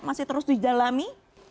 masih terus dijalami